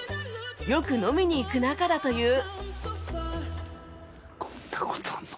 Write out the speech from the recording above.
よく飲みに行く仲だという